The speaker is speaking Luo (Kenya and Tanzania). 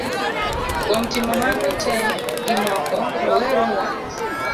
Kuom timo mago tee gi moko, rowere wa